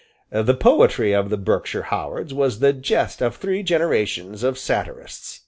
The poetry of the Berkshire Howards was the jest of three generations of satirists.